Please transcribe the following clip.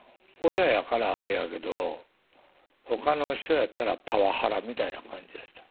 親やからあれやけどほかの人やったらパワハラみたいな感じでした？